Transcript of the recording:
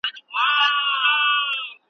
لار دي را وښیه بیابانه پر ما ښه لګیږي ,